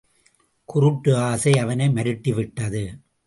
குருட்டு ஆசை அவனை மருட்டி விட்டது.